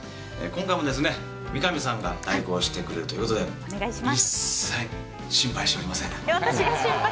今回も三上さんが代行してくれるということで一切、心配しておりません。